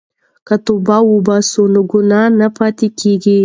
که توبه وباسو نو ګناه نه پاتې کیږي.